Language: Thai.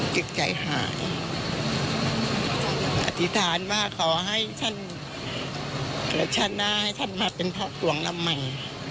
จิตใจหายอธิษฐานว่าดาชานะให้ท่านมาเป็นภพฟลวงลำใหม่